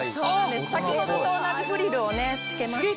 先ほどと同じフリルを付けました。